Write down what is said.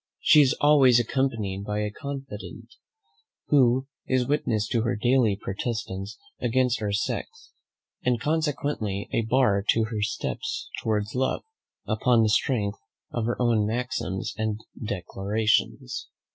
She is always accompanied by a confident, who is witness to her daily protestations against our sex, and consequently a bar to her first steps towards love, upon the strength of her own maxims and declarations.